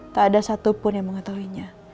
tak ada satupun yang mengetahuinya